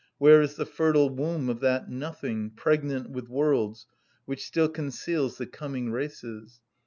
Where is the fertile womb of that nothing, pregnant with worlds, which still conceals the coming races?